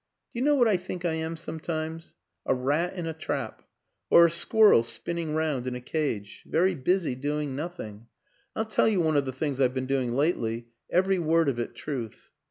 " Do you know what I think I am sometimes? a rat in a trap or a squirrel spinning round in a cage. Very busy doing nothing. ... I'll tell you one of the things I've been doing lately every word of it truth.